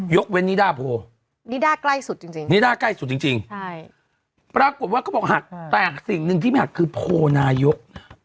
ยกเว้นนิดาโพนิดาใกล้สุดจริงปรากฏว่าก็บอกหักแต่สิ่งหนึ่งที่ไม่หักคือโพนายก